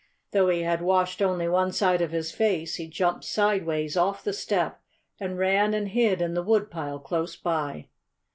Though he had washed only one side of his face, he jumped sideways off the step and ran and hid in the woodpile close by.